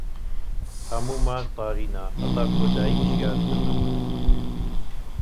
Hemû mal tarî ne, heta ku dayîk şiyar dibin.